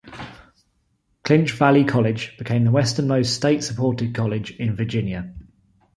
Clinch Valley College became the westernmost state-supported college in Virginia.